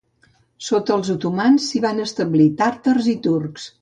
Sota els otomans, s'hi van establir tàrtars i turcs.